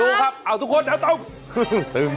ดูครับเอาทุกคนเอาตรง